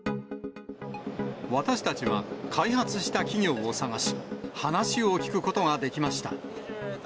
私たちは開発した企業を探し、話を聞くことができました。